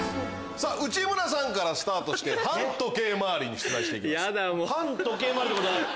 内村さんからスタートして反時計回りに出題して行きます。